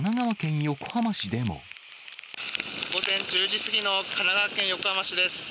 午前１０時過ぎの神奈川県横浜市です。